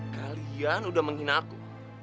kalian udah menghina aku